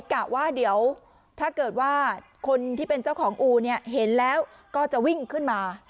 กะว่าเดี๋ยวถ้าเกิดว่าคนที่เป็นเจ้าของอูเนี่ยเห็นแล้วก็จะวิ่งขึ้นมา